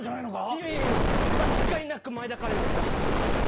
いやいや間違いなく前田花恋でした。